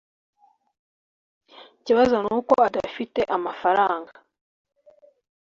Ikibazo nuko adafite amafaranga